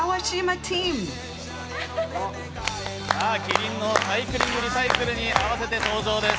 きりんの「サイクリングリサイクル」に合わせて登場です。